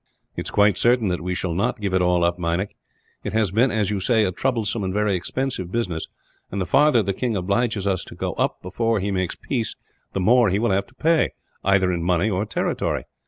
"It is quite certain that we shall not give it all up, Meinik. It has been, as you say, a troublesome and very expensive business; and the farther the king obliges us to go up, before he makes peace, the more he will have to pay, either in money or territory.